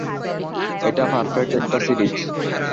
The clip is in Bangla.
এটা পারফেক্ট একটা সিরিজ।